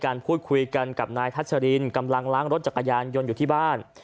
กับนายทัชลินกำลังล้างรถจักรยานยนต์อยู่ที่บ้าน